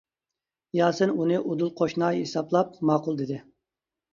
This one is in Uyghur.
ياسىن ئۇنى ئۇدۇل قوشنا ھېسابلاپ ماقۇل دېدى.